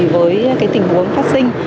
với cái tình huống phát sinh